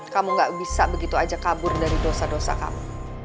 kamu gak bisa begitu aja kabur dari dosa dosa kamu